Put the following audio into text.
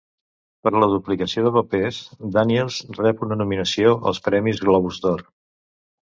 Per la duplicació de papers, Daniels rep una nominació als Premis Globus d'Or.